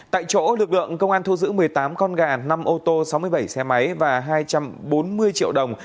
tại chỗ lực lượng công an thu giữ một mươi tám con gà năm ô tô sáu mươi bảy xe máy và hai trăm bốn mươi triệu đồng